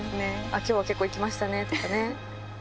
きょう、結構いきましたねとかね。